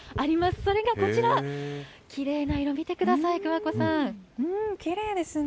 それがこちら、きれいな色、見てきれいですね。